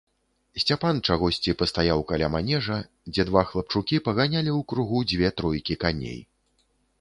Сцяпан чагосьці пастаяў каля манежа, дзе два хлапчукі паганялі ў кругу дзве тройкі коней.